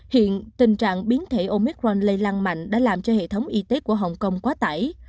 hiện tình trạng biến thể omicron lây lan mạnh đã làm cho hệ thống y tế của hồng kông quá tải